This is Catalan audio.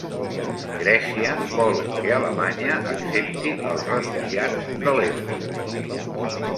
Grècia vol que Alemanya accepti els refugiats de Lesbos